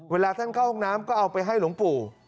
เวลาท่านเข้าห้องน้ำก็เอาไปให้หลวงปู่